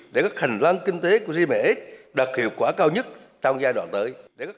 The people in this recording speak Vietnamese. để các hành lang kinh tế của gms đạt hiệu quả cao nhất trong giai đoạn tới